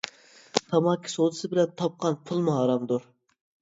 تاماكا سودىسى بىلەن تاپقان پۇلمۇ ھارامدۇر.